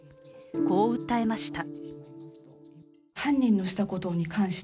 こう訴えました。